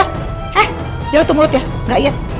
hah jauh tuh mulutnya gak yes